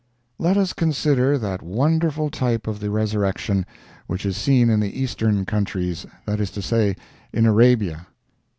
Let us consider that wonderful type of the resurrection, which is seen in the Eastern countries, that is to say, in Arabia.